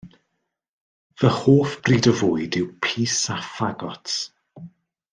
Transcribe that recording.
Fy hoff bryd o fwyd yw pys a ffagots.